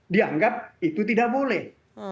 dianggap itu tidak boleh